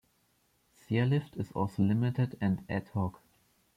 Sea lift is also limited and ad hoc.